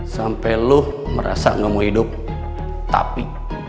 sampai lu merasa gak mau hidup tapi